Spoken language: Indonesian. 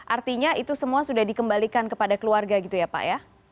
artinya itu semua sudah dikembalikan kepada keluarga gitu ya pak ya